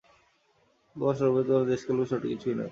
তোমার স্বরূপের তুলনায় দেশকালও কিছুই নয়।